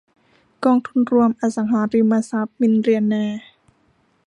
กองทุนรวมอสังหาริมทรัพย์มิลเลียนแนร์